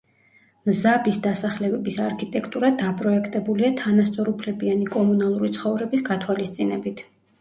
მზაბის დასახლებების არქიტექტურა დაპროექტებულია თანასწორუფლებიანი კომუნალური ცხოვრების გათვალისწინებით.